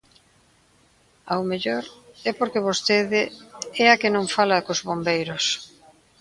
Ao mellor é porque vostede é a que non fala cos bombeiros.